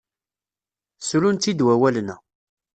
Ssrun-tt-id wawalen-a.